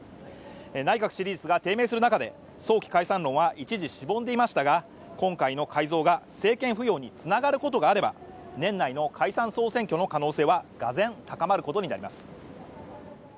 内閣支持率が低迷する中で早期解散論は一時しぼんでいましたが今回の改造が政権浮揚につながることがあれば年内の解散総選挙の可能性は俄然高まることになります